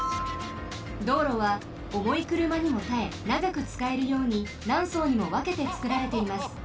道路はおもいくるまにもたえながくつかえるようになんそうにもわけてつくられています。